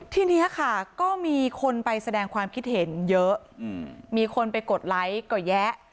ทีนี้ค่ะก็มีคนไปแสดงความคิดเห็นเยอะมีคนไปกดไลค์ก็แยะ